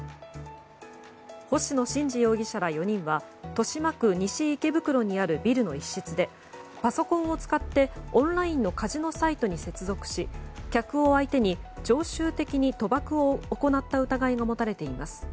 星野伸司容疑者ら４人は豊島区西池袋にあるビルの一室でパソコンを使ってオンラインのカジノサイトに接続し客を相手に常習的に賭博を行った疑いが持たれています。